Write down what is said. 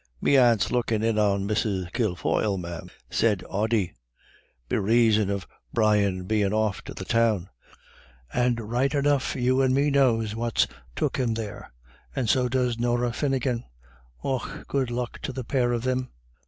"Me aunt's lookin' in on Mrs. Kilfoyle, ma'am," said Ody, "be raison of Brian bein' off to the Town. And right enough you and me knows what's took him there; and so does Norah Finegan. Och, good luck to the pair of thim."